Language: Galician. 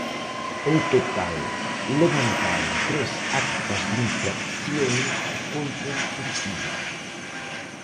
En total levantaron tres actas de infracción contra os furtivos.